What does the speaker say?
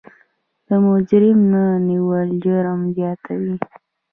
د مجرم نه نیول جرم زیاتوي.